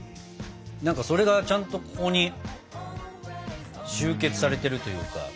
それがちゃんとここに集結されてるというか。